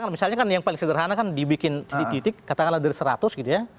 atau misalnya yang paling sederhana kan dibikin titik titik katakanlah dari seratus gitu ya